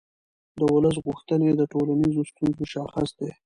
د ولس غوښتنې د ټولنیزو ستونزو شاخص دی